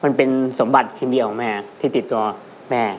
มันเป็นสมบัติทีเดียวของแม่ที่ติดตัวแม่